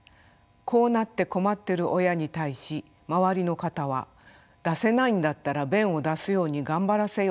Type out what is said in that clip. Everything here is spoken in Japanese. こうなって困ってる親に対し周りの方は出せないんだったら便を出すように頑張らせよと言うのです。